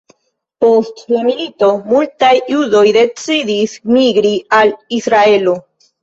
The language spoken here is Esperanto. Post la milito, multaj judoj decidis migri al Israelo.